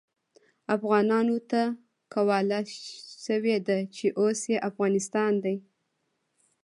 افغانانو ته قواله شوې ده چې اوس يې افغانستان دی.